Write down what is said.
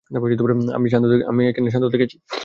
আমি শান্ত থেকেছি।